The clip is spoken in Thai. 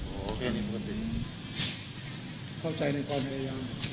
โอ้โหเข้าใจหน่อยก่อนไหมเรายัง